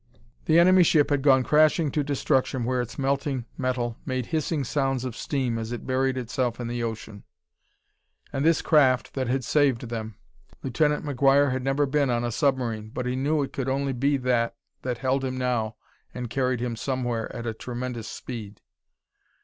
The enemy ship had gone crashing to destruction where its melting metal made hissing clouds of steam as it buried itself in the ocean. And this craft that had saved them Lieutenant McGuire had never been on a submarine, but he knew it could be only that that held him now and carried him somewhere at tremendous speed.